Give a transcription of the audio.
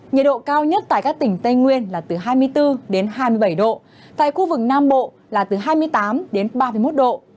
nhiệt độ cao nhất tại các tỉnh tây nguyên là từ hai mươi bốn đến hai mươi bảy độ tại khu vực nam bộ là từ hai mươi tám đến ba mươi một độ